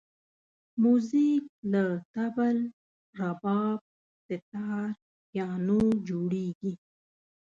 موزیک له طبل، رباب، ستار، پیانو جوړېږي.